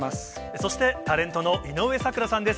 そして、タレントの井上咲楽さんです。